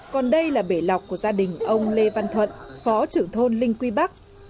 còn đây là bể lọc của gia đình ông lê văn thuận phó trưởng thôn linh quy bắc